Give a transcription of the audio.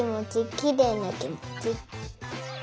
きれいなきもち。